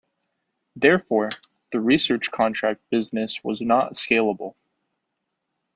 Therefore, the research contract business was not scalable.